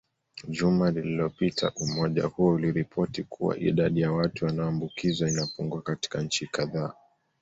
Juma lilopita umoja huo uliripoti kuwa idadi ya watu wanaoambukizwa inapungua katika nchi kadhaa